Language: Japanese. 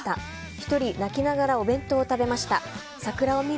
１人泣きながらお弁当を食べました。